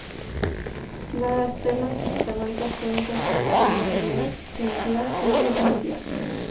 Las ternas pitagóricas pueden clasificarse de dos maneras: "primitivas" y "no primitivas".